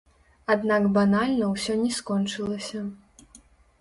Аднак банальна ўсё не скончылася.